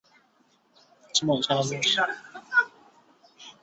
当今社会